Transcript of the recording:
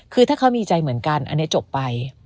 คือถ้าเขามีใจเหมือนกันอันนี้จบไป